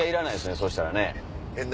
そしたら。